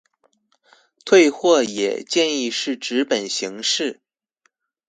退貨也建議是紙本形式